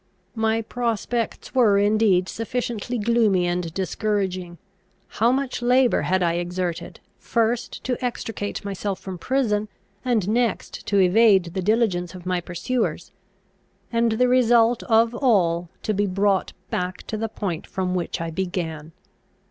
My prospects were indeed sufficiently gloomy and discouraging. How much labour had I exerted, first to extricate myself from prison, and next to evade the diligence of my pursuers; and the result of all, to be brought back to the point from which I began!